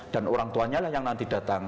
dan orang tuanya lah yang nanti datang